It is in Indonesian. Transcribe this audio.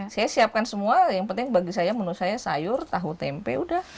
saya siapkan semua yang penting bagi saya menu saya sayur tahu tempe udah